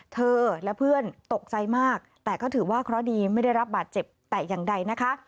เธอและเพื่อนตกใจมากแต่ก็ถือว่าเคราะห์ดีไม่ได้รับบาดเจ็บแต่อย่างใดนะคะ